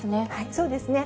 そうですね。